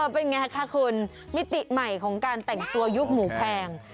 เป็นไงคะคุณมิติใหม่ของการแต่งตัวยุคหมูแพง